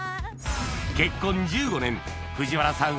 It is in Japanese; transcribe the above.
結婚１５年藤原さん